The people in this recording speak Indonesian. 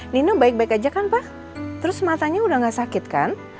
nino baik baik aja kan pak terus matanya udah gak sakit kan